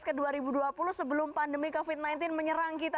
tadi kita telah merampas kamar ke neuen tiga tahun kita